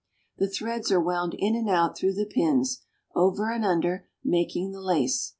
The threads are wound in and out through the pins, over and under, making the lace.